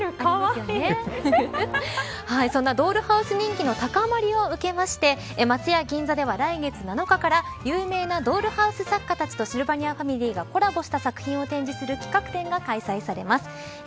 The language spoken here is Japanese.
そんなドールハウス人気の高まりを受けて松屋銀座では来月７日から有名なドールハウス作家たちとシルバニアファミリーがコラボした作品を展示する企画展が開催されます。